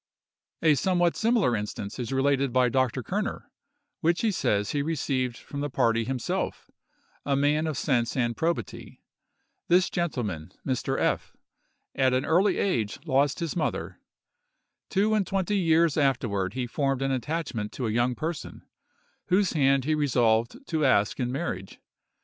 A somewhat similar instance is related by Dr. Kerner, which he says he received from the party himself, a man of sense and probity. This gentleman, Mr. F——, at an early age lost his mother. Two and twenty years afterward he formed an attachment to a young person, whose hand he resolved to ask in marriage.